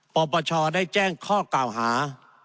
ปปชได้แจ้งข้อกล่าวหา